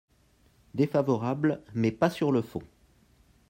Défavorable, mais pas sur le fond.